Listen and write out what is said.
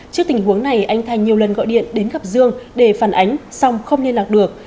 trước tình huống này anh thành nhiều lần gọi điện đến gặp dương để phản ánh song không liên lạc được